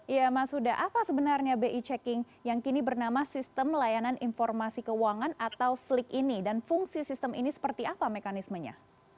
ya mas huda apa sebenarnya bi checking yang kini bernama sistem layanan informasi keuangan atau slik ini dan fungsi sistem ini seperti apa mekanismenya